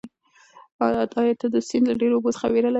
ایا ته د سیند له ډېرو اوبو څخه وېره لرې؟